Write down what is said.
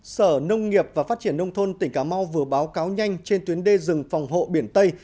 sở nông nghiệp và phát triển nông thôn tỉnh cà mau vừa báo cáo nhanh trên tuyến đê rừng phòng hộ biển tây